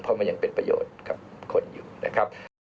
เพราะมันยังเป็นประโยชน์กับคนอยู่นะครับ